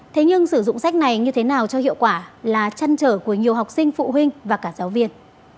thế nhưng sử dụng sách này như thế nào cho hiệu quả là trăn trở của nhiều học sinh phụ huynh và cả giáo viên